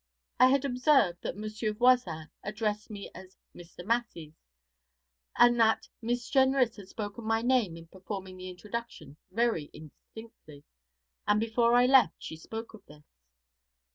I had observed that Monsieur Voisin addressed me as Mr. Masseys, and that Miss Jenrys had spoken my name in performing the introduction very indistinctly, and before I left she spoke of this.